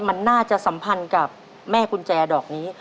มันน่าจะสัมพันธ์กับแม่กุญแจดอกนี้